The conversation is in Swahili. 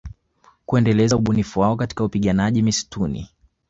Kuendeleza ubunifu wao katika upiganaji mistuni